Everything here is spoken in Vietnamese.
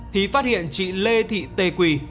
thì phát hiện chị lê thị tê quỳ